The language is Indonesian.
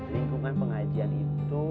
lingkungan pengajian itu